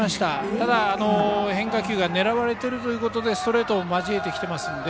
ただ、変化球が狙われているということでストレートを交えてきていますので。